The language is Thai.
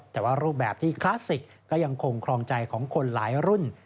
แต่ว่ารูปแบบที่คลาสสิกก็ยังคงครองใจของคนหลายรุ่น